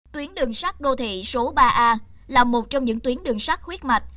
tuyến đường sắt đô thị số ba a là một trong những tuyến đường sắt khuyết mạch